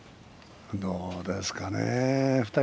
どうですかね。